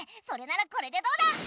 それならこれでどうだ！？